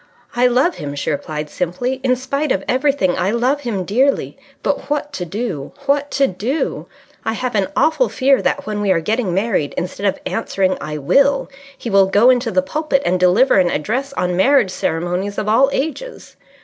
"I love him!" she replied simply. "In spite of everything, I love him dearly. But what to do? What to do? I have an awful fear that when we are getting married instead of answering 'I will,' he will go into the pulpit and deliver an address on Marriage Ceremonies of All Ages.